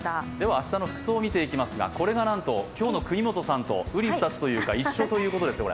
明日の服装を見ていきますが、これがなんと今日の國本さんとうり二つというか、一緒ということですか。